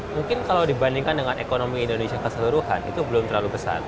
mungkin kalau dibandingkan dengan ekonomi indonesia keseluruhan itu belum terlalu besar